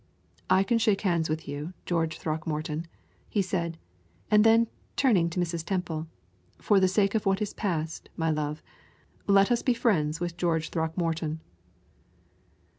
"I can shake hands with you, George Throckmorton," he said, and then, turning to Mrs. Temple, "for the sake of what is past, my love, let us be friends with George Throckmorton."